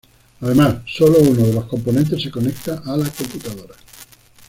Además, sólo uno de los componentes se conecta a la computadora.